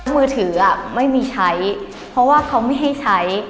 มือถือไม่มีใช้เพราะว่าเขาไม่ให้ใช้